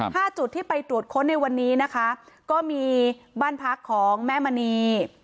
จุดที่ไปตรวจค้นในวันนี้นะคะก็มีบ้านพักของแม่มณี